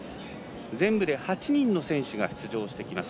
全部で８人の選手が出場してきます